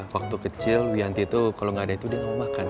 waktu kecil wianti itu kalo gak ada itu dia gak mau makan